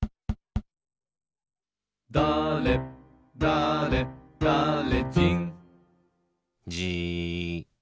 「だれだれだれじん」じーっ。